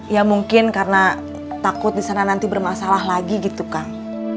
ya mungkin karena takut di sana nanti bermasalah lagi gitu kang